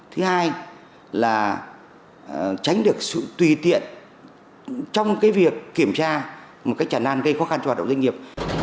thứ hai là tránh được sự tùy tiện trong cái việc kiểm tra một cái trả nạn gây khó khăn cho hoạt động doanh nghiệp